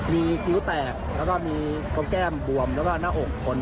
มีคิ้วแตกแล้วก็มีกนแก้มบวมแล้วก็หน้าอกคน